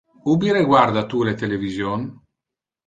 Ubi reguarda tu le television?